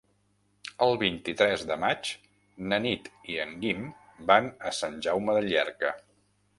El vint-i-tres de maig na Nit i en Guim van a Sant Jaume de Llierca.